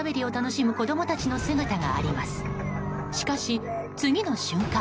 しかし、次の瞬間。